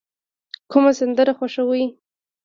کومه سندره خوښوئ؟